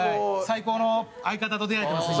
最高の相方と出会えてます